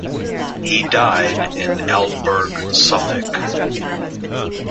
He died in Aldeburgh, Suffolk.